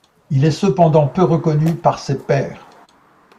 Il est cependant peu reconnu par ses pairs.